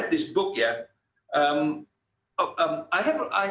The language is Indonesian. saya sebenarnya punya buku ini